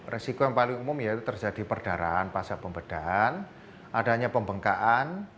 resiko yang paling umum yaitu terjadi perdaraan pasapembedaan adanya pembengkaan